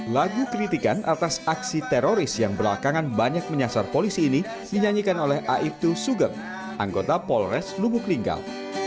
lagu kritikan atas aksi teroris yang belakangan banyak menyasar polisi ini dinyanyikan oleh aibtu sugeng anggota polres lubuk linggau